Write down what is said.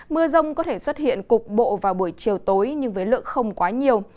mưa rông có thể xuất hiện cục bộ vào buổi chiều tối nhưng với lượng không quá nhiều